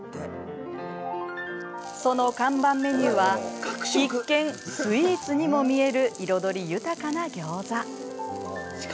その看板メニューは一見スイーツにも見える彩り豊かなギョーザ。